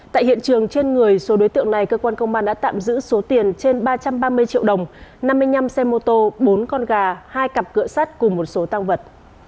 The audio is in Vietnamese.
tại hiện trường trên người số đối tượng này cơ quan công an đã tạm giữ số tiền trên ba trăm ba mươi triệu đồng năm mươi năm xe mô tô bốn con gà hai cặp cửa sắt cùng một số tăng vật